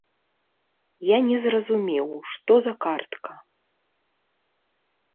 Я не зразумеў, што за картка.